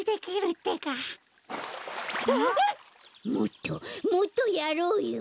もっともっとやろうよ！